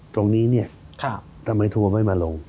ตรงนี้เนี่ยทำไมทัวร์ไม่มาลง